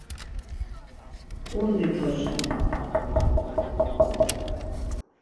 ǩundi to şǩoma!